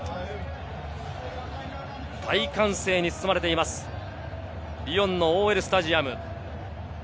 大歓声に包まれています、リヨンのＯＬスタジアム。